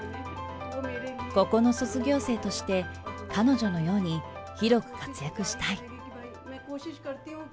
ここの卒業生として、彼女のように広く活躍したい。